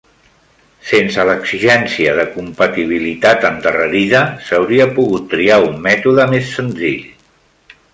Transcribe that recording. Sense l'exigència de compatibilitat endarrerida, s'hauria pogut triar un mètode més senzill.